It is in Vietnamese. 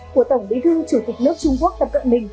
của tổng bí thư chủ tịch nước trung quốc tập cận bình